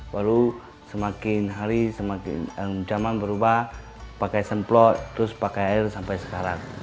lalu semakin hari semakin zaman berubah pakai semplot terus pakai air sampai sekarang